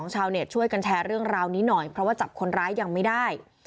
ชาวเน็ตช่วยกันแชร์เรื่องราวนี้หน่อยเพราะว่าจับคนร้ายยังไม่ได้